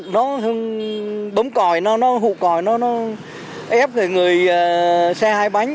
nó bấm còi nó hụt còi nó ép người xe hai bánh